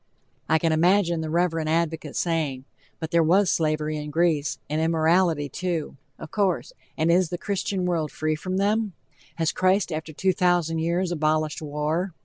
I can imagine the reverend advocate saying: "But there was slavery in Greece, and immorality, too," of course, and is the Christian world free from them? Has Christ after two thousand years abolished war?